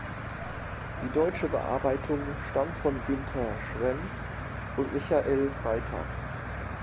Die deutsche Bearbeitung stammt von Günther Schwenn und Michael Freytag.